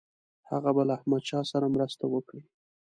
هغه به له احمدشاه سره مرسته وکړي.